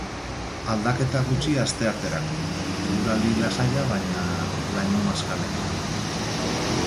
Aldaketa gutxi astearterako, eguraldi lasaia baina laino maskalekin.